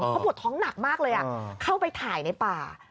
เขาปวดท้องหนักมากเลยเข้าไปถ่ายในป่า